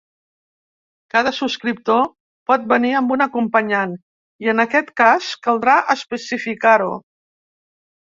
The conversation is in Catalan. Cada subscriptor pot venir amb un acompanyant i en aquest cas caldrà especificar-ho.